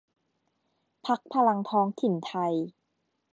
พรรคพลังท้องถิ่นไท